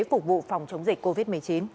phục vụ phòng chống dịch covid một mươi chín